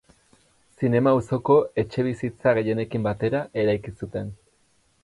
Zinema auzoko etxebizitza gehienekin batera eraiki zuten.